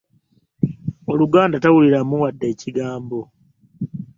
Oluganda tawuliramu wadde ekigambo.